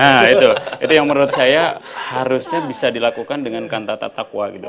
nah itu itu yang menurut saya harusnya bisa dilakukan dengan kantar taqwa gitu